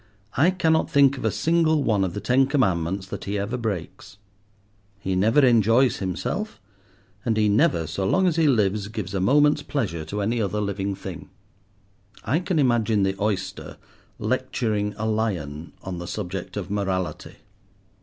I cannot think of a single one of the Ten Commandments that he ever breaks. He never enjoys himself, and he never, so long as he lives, gives a moment's pleasure to any other living thing. I can imagine the oyster lecturing a lion on the subject of morality.